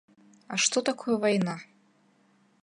А што такое вайна?